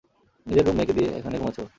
নিজের রুম মে কে দিয়ে এখানে ঘুমাচ্ছে ও।